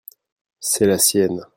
c'est la sienne.